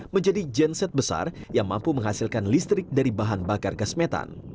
menjadi genset besar yang mampu menghasilkan listrik dari bahan bahan yang diperlukan